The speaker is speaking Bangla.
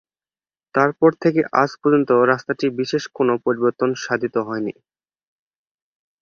তারপর থেকে আজ পর্যন্ত রাস্তাটির বিশেষ কোন পরিবর্তন সাধিত হয়নি।